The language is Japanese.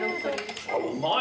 うまい。